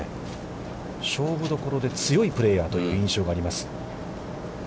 勝負どころで強いプレーヤーという印象があります。